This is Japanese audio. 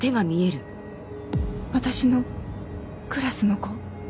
私のクラスの子？